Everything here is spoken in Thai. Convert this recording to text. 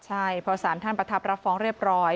ใช่พอสารท่านประทับรับฟ้องเรียบร้อย